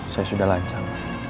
saya sudah lancar